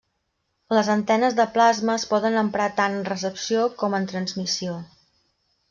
Les antenes de plasma es poden emprar tant en recepció com en transmissió.